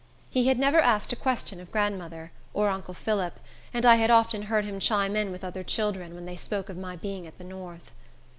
He had never asked a question of grandmother, or uncle Phillip, and I had often heard him chime in with other children, when they spoke of my being at the north.